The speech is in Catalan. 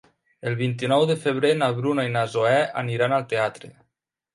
El vint-i-nou de febrer na Bruna i na Zoè aniran al teatre.